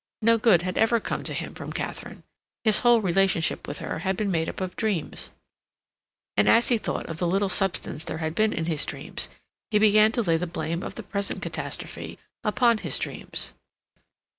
No good had ever come to him from Katharine; his whole relationship with her had been made up of dreams; and as he thought of the little substance there had been in his dreams he began to lay the blame of the present catastrophe upon his dreams.